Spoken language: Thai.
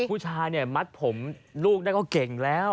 ผู้ชายเนี่ยมัดผมลูกได้ก็เก่งแล้ว